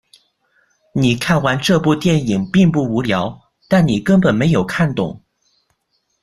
你看完这部电影并不无聊，但你根本没有看懂。